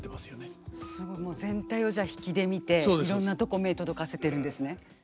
もう全体を引きで見ていろんなとこ目届かせてるんですね。